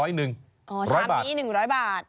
ชามนี้๑๐๐บาท